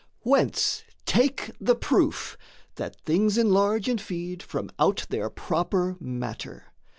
Whence take the proof that things enlarge and feed From out their proper matter.